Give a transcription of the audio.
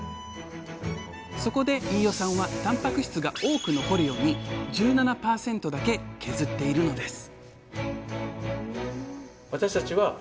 そこで飯尾さんはたんぱく質が多く残るように１７％だけ削っているのです